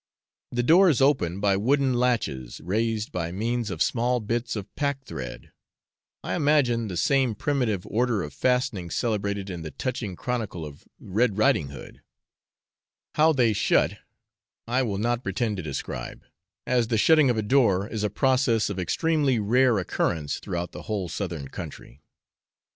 The doors open by wooden latches, raised by means of small bits of packthread I imagine, the same primitive order of fastening celebrated in the touching chronicle of Red Riding Hood; how they shut I will not pretend to describe, as the shutting of a door is a process of extremely rare occurrence throughout the whole Southern country.